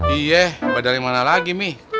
iya badar yang mana lagi mi